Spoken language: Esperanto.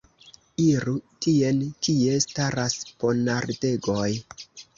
Iru tien, kie staras ponardegoj!